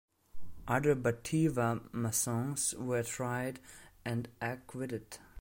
Other Batavia Masons were tried and acquitted.